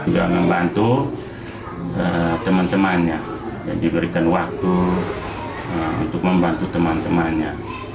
juga membantu teman temannya dan diberikan waktu untuk membantu teman temannya